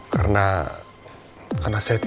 sampai jumpa lagi